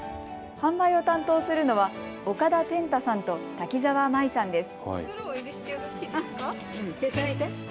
販売を担当するのは岡田天太さんと滝澤真衣さんです。